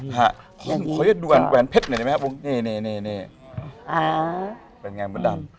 ขอให้ดูกวันแหวนเพชรหน่อยได้ไหมครับนี่เป็นงานบดดำ